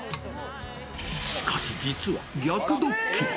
しかし、実は逆ドッキリ。